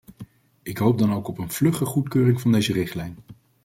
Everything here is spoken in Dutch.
Ik hoop dan ook op een vlugge goedkeuring van deze richtlijn.